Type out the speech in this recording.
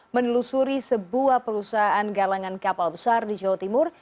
menelusuri sebuah perusahaan galangan kapal besar di jawa timur